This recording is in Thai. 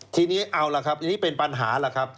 ทีนี้เอาล่ะครับอันนี้เป็นปัญหาล่ะครับ